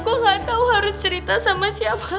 gue gak tau harus cerita sama siapa lagi